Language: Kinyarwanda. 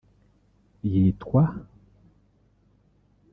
yitwa